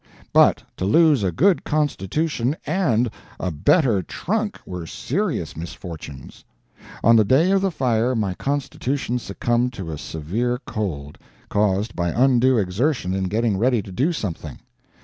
But to lose a good constitution and a better trunk were serious misfortunes. On the day of the fire my constitution succumbed to a severe cold, caused by undue exertion in getting ready to do something.